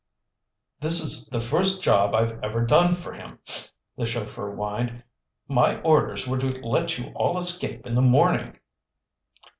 "This is the first job I've ever done for him," the chauffeur whined. "My orders were to let you all escape in the morning."